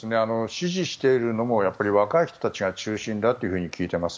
支持しているのもやっぱり若い人たちが中心だと聞いています。